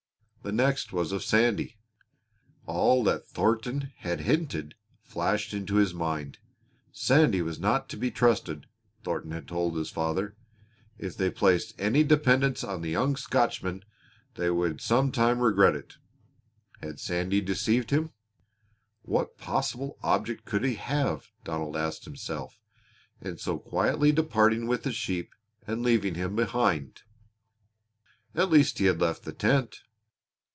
The next was of Sandy. All that Thornton had hinted flashed into his mind. Sandy was not to be trusted, Thornton had told his father. If they placed any dependence on the young Scotchman they would some time regret it. Had Sandy deceived him? What possible object could he have, Donald asked himself, in so quietly departing with the sheep and leaving him behind? At least he had left the tent.